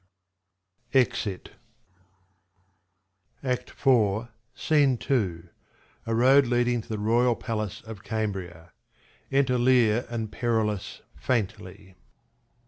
A road leading to the royal palace of Cambria. Enter Leir and Perillus faintly.